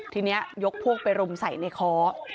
ทีนี้ยกพวกไปรุมใส่ในคอ